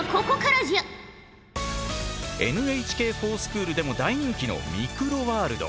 ＮＨＫｆｏｒＳｃｈｏｏｌでも大人気の「ミクロワールド」。